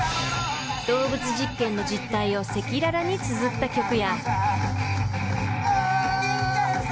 ［動物実験の実態を赤裸々につづった曲や］